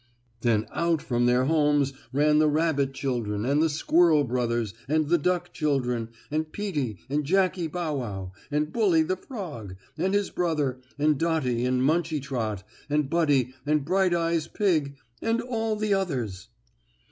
Then out from their homes ran the rabbit children and the squirrel brothers and the duck children, and Peetie, and Jackie Bow Wow, and Bully the Frog, and his brother, and Dottie and Munchie Trot, and Buddy and Brighteyes Pigg and all the others.